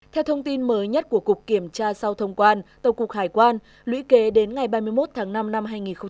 theo thông tin mới nhất của cục kiểm tra sau thông quan tổng cục hải quan lũy kế đến ngày ba mươi một tháng năm năm hai nghìn hai mươi